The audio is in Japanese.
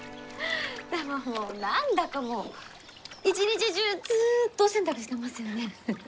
何だかもう一日中ずっとお洗濯してますよね？